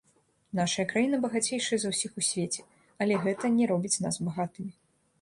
Нашая краіна багацейшая за ўсіх у свеце, але гэта не робіць нас багатымі.